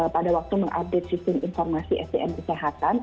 pada waktu mengupdate sistem informasi sdm kesehatan